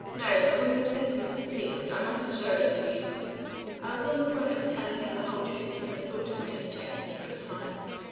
No, a woman's sentiments are sacred; I mustn't show it to you." I was on the point of telling him the whole truth, when the thought of Minna checked me for the time.